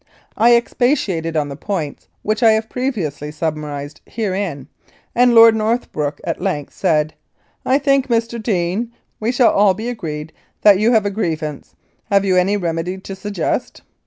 I expatiated on the points which I have previously summarised herein, and Lord Northbrook at length said, "I think, Mr. Deane, we shall all be agreed that you have a griev ance. Have you any remedy to suggest